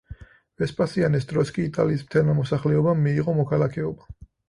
ვესპასიანეს დროს კი იტალიის მთელმა მოსახლეობამ მიიღო მოქალაქეობა.